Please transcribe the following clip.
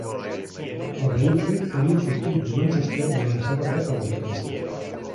El vehicle havia sortit de Manchester i avançava bé per l'autopista.